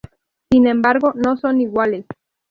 Sin embargo, no son iguales.